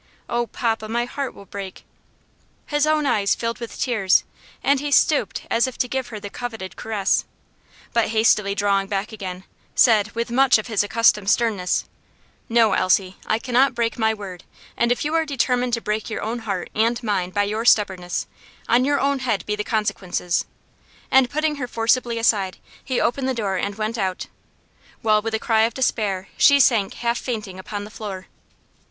Oh, papa, my heart will break!" His own eyes filled with tears, and he stooped as if to give her the coveted caress, but hastily drawing back again, said with much of his accustomed sternness "No, Elsie, I cannot break my word; and if you are determined to break your own heart and mine by your stubbornness, on your own head be the consequences," And putting her forcibly aside, he opened the door and went out, while, with a cry of despair, she sank half fainting upon the floor.